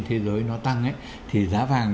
thế giới nó tăng ấy thì giá vàng